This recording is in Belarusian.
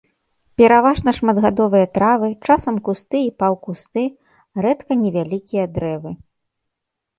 Пераважна шматгадовыя травы, часам кусты і паўкусты, рэдка невялікія дрэвы.